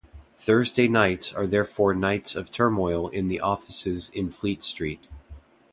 Thursday nights are therefore nights of turmoil in the offices in Fleet Street.